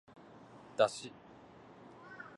だし